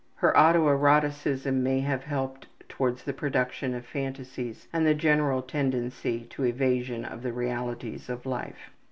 Her autoeroticism may have helped towards the production of phantasies and the general tendency to evasion of the realities of life.